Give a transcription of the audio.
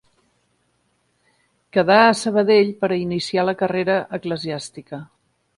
Quedà a Sabadell per a iniciar la carrera eclesiàstica.